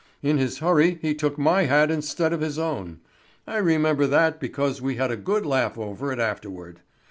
In his hurry he took my hat instead of his own. I remember that because we had a good laugh over it afterward.